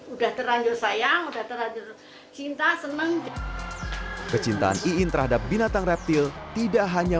udah terlanjur sayang udah terlanjur cinta seneng kecintaan iin terhadap binatang reptil tidak hanya